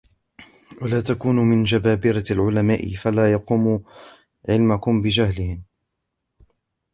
وَلَا تَكُونُوا مِنْ جَبَابِرَةِ الْعُلَمَاءِ فَلَا يَقُومُ عِلْمُكُمْ بِجَهْلِكُمْ